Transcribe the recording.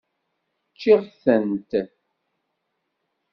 Ččiɣ-tent.